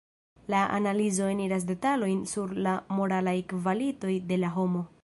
La analizo eniras detalojn sur la moralaj kvalitoj de la homo.